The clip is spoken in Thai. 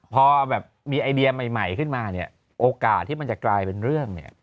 พอแบบมีไอเดียใหม่ขึ้นมาเนี่ยโอกาสที่มันจะกลายเป็นเรื่องเนี่ย